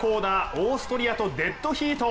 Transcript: オーストリアとデッドヒート。